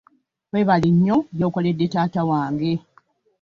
Webale nnyo by'okolede taata wange.